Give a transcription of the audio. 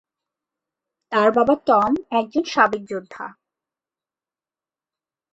তার বাবা টম একজন সাবেক যোদ্ধা।